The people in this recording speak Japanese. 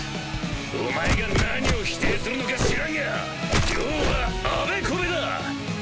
お前が何を否定するのか知らんが要はあべこべだ。